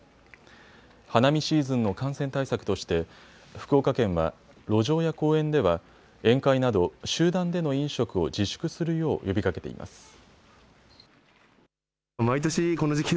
花見シーズンの感染対策として福岡県は路上や公園では宴会など集団での飲食を自粛するよう呼びかけています。